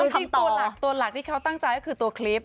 ต้องทำต่อตัวหลักที่เขาตั้งใจก็คือตัวคลิป